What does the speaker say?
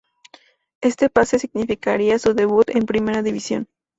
Este pase significaría su debut en primera división.